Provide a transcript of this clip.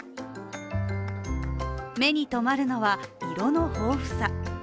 目に留まるのは、色の豊富さ。